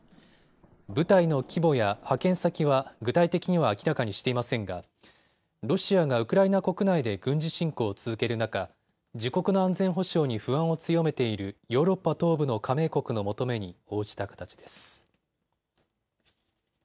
部隊の規模や派遣先は具体的には明らかにしていませんがロシアがウクライナ国内で軍事侵攻を続ける中、自国の安全保障に不安を強めているヨーロッパ東部の加盟国の求めに応じた形です。